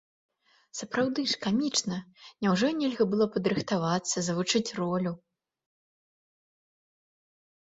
Сапраўды ж, камічна, няўжо нельга было падрыхтавацца, завучыць ролю?